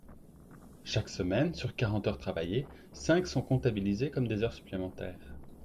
Chaque semaine, sur quarante heures travaillées, cinq sont comptabilisées comme des heures supplémentaires.